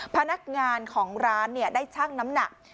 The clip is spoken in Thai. พนักงานของร้านได้ชั่งน้ำหนัก